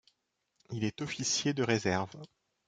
Il est officier de réserve.